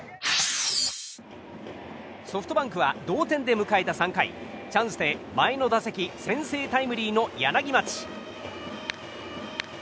ソフトバンクは同点で迎えた３回チャンスで、前の打席先制タイムリーの柳町。